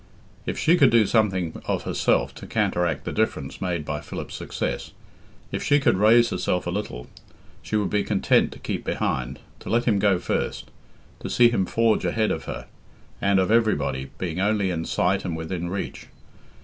If she could do something of herself to counteract the difference made by Philip's success, if she could raise herself a little, she would be content to keep behind, to let him go first, to see him forge ahead of her, and of everybody, being only in sight and within reach.